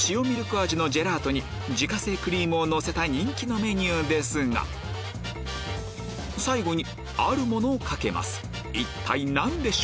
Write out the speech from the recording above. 味のジェラートに自家製クリームをのせた人気のメニューですが最後にあるものをかけます